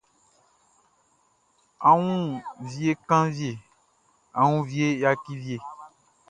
A wun vie kanvie a woun vie yaki vie.